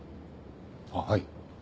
あっはい。